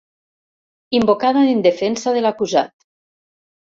Invocada en defensa de l'acusat.